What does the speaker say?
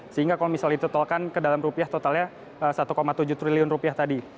sehingga kalau misalnya ditotalkan ke dalam rupiah totalnya satu tujuh triliun rupiah tadi